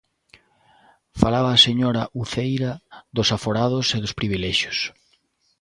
Falaba a señora Uceira dos aforados e dos privilexios.